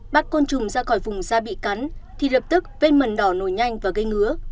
bắt côn trùng ra khỏi vùng da bị cắn thì lập tức vết mần đỏ nổi nhanh và gây ngứa